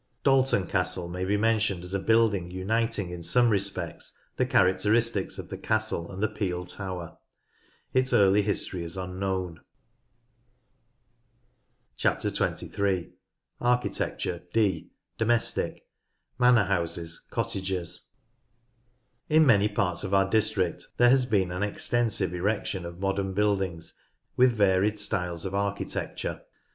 ARCHITECTURE— MILITARY 137 Dalton Castle may be mentioned as a building uniting in some respects the characteristics of the castle and the peel tower. Its early history is unknown. 23. Architecture— (d) Domestic. Manor Houses, Cottages. In many parts of our district there has been an extensive erection of modern buildings with varied styles of architecture.